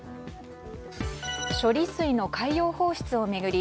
処理水の海洋放出を巡り